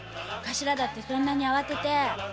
カシラだってそんなに慌てて。